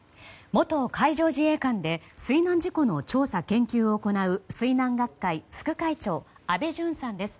元海上自衛官で水難事故の調査・研究を行う水難学会副会長安倍淳さんです。